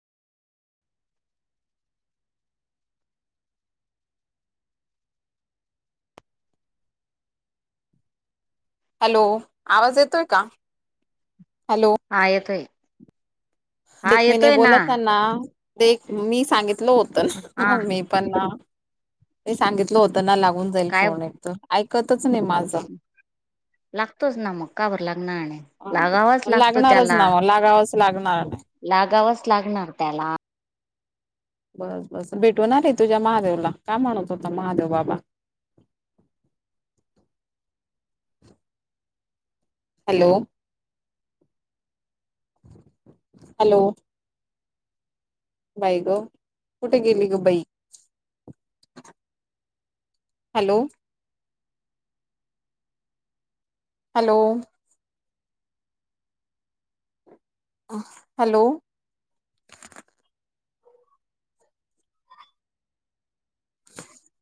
Hello आवाज येतोय का? हलो. हा येतोय. हा देखमैने येतोय ना बोला थाना, देख मी सांगितलं होतं ना हा म मी. पण ना मी सांगितलं होत ना लागून जाईल काय फोन एक त आयकतच नाही माझं. लागतोच ना मग का बरं लागनारं नाही. लागावाच लागतो लागणारच ना म लागावंच लागणार. लागावच लागणार त्याला. बस, बस भेटून आली तुझ्या महादेवला काय म्हणत होता महादेव बाबा? Hello hello! बाई ग कुठे गेली ग बई. हॅलो! हॅलो! हॅलो!